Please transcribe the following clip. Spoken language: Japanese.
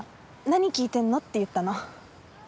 何聴いてるのって言ったの。